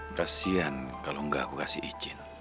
kasihan kalo enggak aku kasih izin